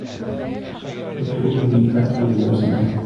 اتركني أدخل لو سمحت.